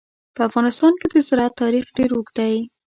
په افغانستان کې د زراعت تاریخ ډېر اوږد دی.